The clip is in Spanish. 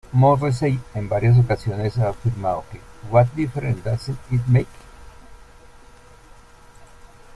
Morrissey en varias ocasiones ha afirmado que "What Difference Does It Make?